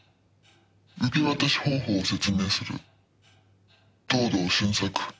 「受け渡し方法を説明する」「藤堂俊作